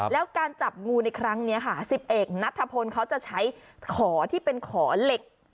แล้วการจับงูในครั้งนี้ค่ะ๑๑นัทธพลเขาจะใช้ขอที่เป็นขอเหล็ก